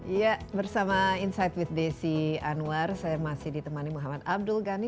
iya bersama insight with desi anwar saya masih ditemani muhammad abdul ghani